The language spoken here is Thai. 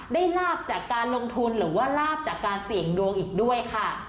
ลาบจากการลงทุนหรือว่าลาบจากการเสี่ยงดวงอีกด้วยค่ะ